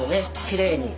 きれいに。